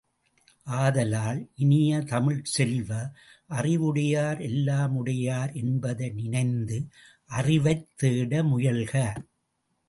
ஆதலால் இனிய தமிழ்ச் செல்வ, அறிவுடையார் எல்லாம் உடையார் என்பதை நினைந்து அறிவைத் தேட முயல்க!